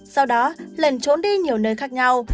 sau đó lần trốn đi nhiều nơi khác nhau